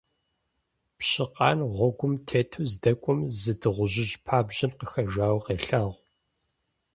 Пщыкъан гъуэгум тету здэкӀуэм зы дыгъужьыжь пабжьэм къыхэжауэ къелъагъу.